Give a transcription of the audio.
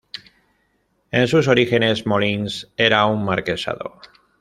En sus orígenes, Molins era un marquesado.